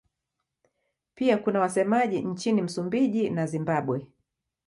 Pia kuna wasemaji nchini Msumbiji na Zimbabwe.